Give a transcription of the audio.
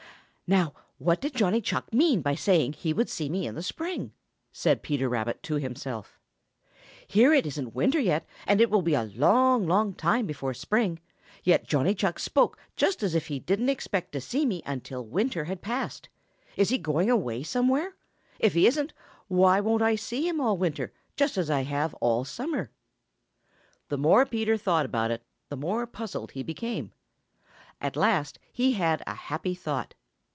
"Now, what did Johnny Chuck mean by saying that he would see me in the spring?" said Peter Rabbit to himself. "Here it isn't winter yet, and it will be a long, long time before spring, yet Johnny Chuck spoke just as if he didn't expect to see me until winter has passed. Is he going away somewhere? If he isn't, why won't I see him all winter, just as I have all summer?" The more Peter thought about it, the more puzzled he became. At last he had a happy thought.